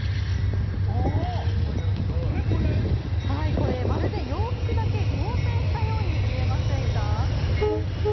これ、まるで洋服だけ合成したように見えませんか？